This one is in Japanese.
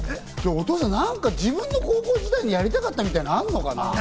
お父さんは何か自分の高校時代にやりたかったみたいなのはあるのかな？